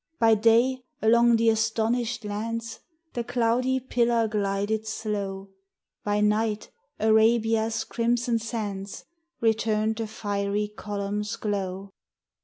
By day, along the astonished lands, The cloudy pillar glided slow: By night, Arabia's crimsoned sands Returned the fiery column's glow.